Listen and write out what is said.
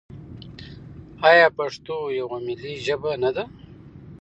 آیا پښتو یوه ملي ژبه نه ده؟